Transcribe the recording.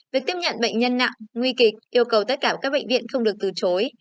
việc tiếp nhận bệnh nhân nặng nguy kịch yêu cầu tất cả các bệnh viện không được từ chối